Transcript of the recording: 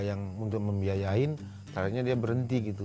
yang untuk membiayain caranya dia berhenti gitu